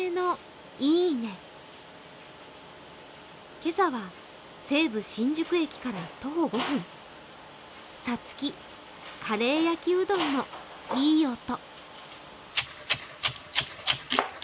今朝は西武新宿駅から徒歩５分、さつき、カレー焼きうどんのいい音。